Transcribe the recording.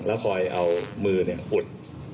แล้วคอยเอามือเนี่ยอุด